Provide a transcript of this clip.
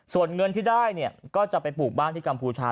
ส่วนเงินที่ได้เนี่ยก็จะไปปลูกบ้านที่กัมพูชา